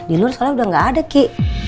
di luar soalnya udah gak ada ki